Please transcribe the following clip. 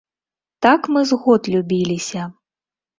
Так мы з год любіліся.